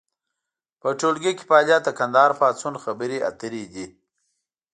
په ټولګي کې فعالیت د کندهار پاڅون خبرې اترې دي.